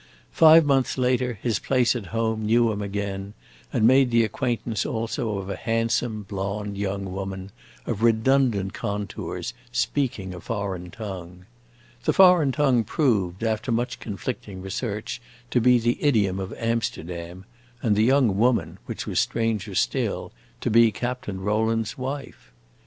Five months later his place at home knew him again, and made the acquaintance also of a handsome, blonde young woman, of redundant contours, speaking a foreign tongue. The foreign tongue proved, after much conflicting research, to be the idiom of Amsterdam, and the young woman, which was stranger still, to be Captain Rowland's wife.